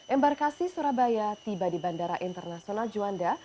embarkasi surabaya tiba di bandara internasional juanda